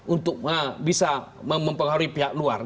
untuk bisa mempengaruhi pihak luar